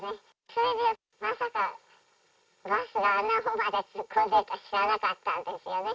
それでまさか、バスがあんなほうまで突っ込んでるなんて知らなかったんですよね。